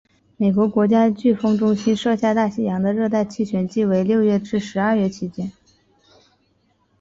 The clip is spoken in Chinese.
美国国家飓风中心设下大西洋的热带气旋季为六月至十二月期间。